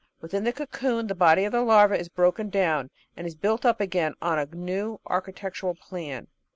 Within the cocoon the body of the larva is broken down and is built up again on a new architectural plan.